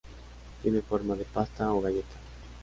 Tiene forma de pasta o galleta.